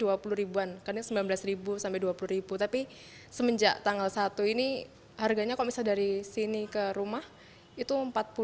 harganya rp dua puluh kan rp sembilan belas sampai rp dua puluh tapi semenjak tanggal satu ini harganya kalau misalnya dari sini ke rumah itu rp empat puluh satu